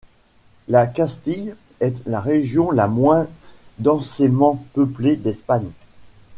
La Castille est la région la moins densément peuplée d'Espagne.